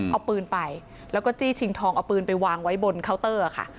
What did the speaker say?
เอาปืนไปแล้วก็จี้ชิงทองเอาปืนไปวางไว้บนเคาน์เตอร์ค่ะ